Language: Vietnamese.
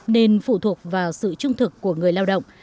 nên phụ thuộc vào sự trung thực của người lao động